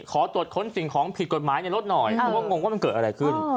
ขอตรวจค้นสิ่งของผิดกฎหมายในรถหน่อยเพราะว่างงว่ามันเกิดอะไรขึ้น